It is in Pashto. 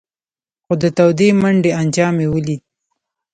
خو د تودې منډۍ انجام یې ولید.